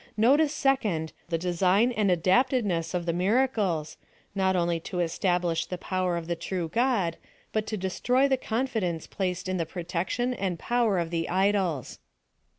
Notice second, the design and adaptedness of 66 PHILOSOPHY OF THE the miracles, not only to distinguish the power of the trne God, but to destroy the confidence placea ill the protection and power of the idols.